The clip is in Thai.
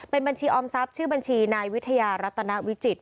เป็นบัญชีออมทรัพย์ชื่อบัญชีนายวิทยารัตนวิจิต